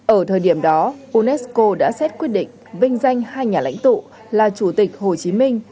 ở thời điểm đó unesco đã xét quyết định vinh danh hai nhà lãnh tụ là chủ tịch hồ chí minh